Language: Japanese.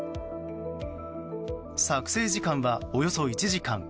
作成時間はおよそ１時間。